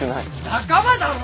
仲間だろ！